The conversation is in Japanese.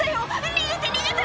逃げて逃げて！」